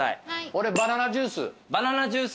俺バナナジュース。